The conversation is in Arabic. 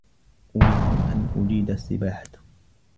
أُرِيدُ أَنْ أُجِيدَ السِّبَاحَةَ.